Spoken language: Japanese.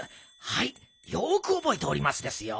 はいよくおぼえておりますですよ」。